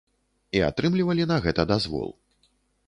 І атрымлівалі на гэта дазвол.